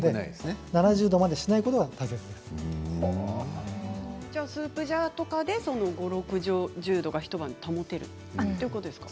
７０度までにしないことがスープジャーで５０度から６０度が一晩保てるということなんですね。